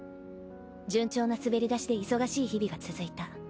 順調な滑り出しで忙しい日々が続いた。